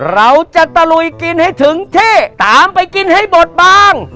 เราจะตะลุยกินให้ถึงที่ตามไปกินให้บดบ้าง